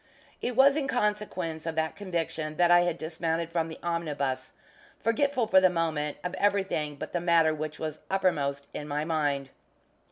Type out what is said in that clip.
It was in consequence of that conviction that I had dismounted from the omnibus, forgetful, for the moment, of everything but the matter which was uppermost in my mind.